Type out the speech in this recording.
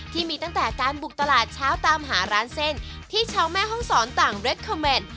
ที่มีตั้งแต่การบุกตลาดเช้าตามหาร้านเส้นที่ชาวแม่ห้องศรต่างเรคคอมเมนต์